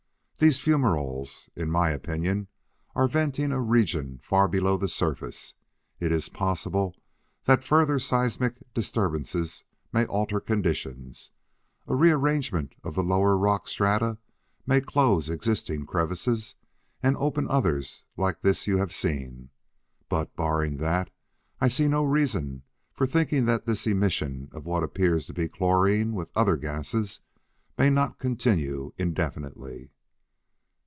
"These fumeroles, in my opinion, are venting a region far below the surface. It is possible that further seismic disturbances may alter conditions; a rearrangement of the lower rock strata may close existing crevices and open others like this you have seen; but, barring that, I see no reason for thinking that this emission of what appears to be chlorine with other gases may not continue indefinitely."